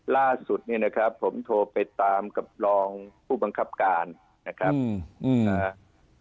ล่าสุดเนี่ยนะครับผมโทรไปตามกับรองผู้บังคับการนะครับนะฮะ